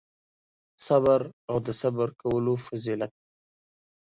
صبر او د صبر کولو فضیلت